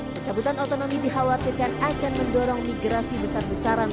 pencabutan otonomi dikhawatirkan akan mendorong migrasi besar besaran